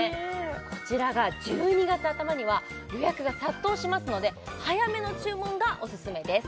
こちらが１２月頭には予約が殺到しますので早めの注文がオススメです